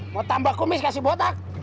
mau tambah komis kasih botak